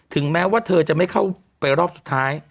แม้ว่าเธอจะไม่เข้าไปรอบสุดท้าย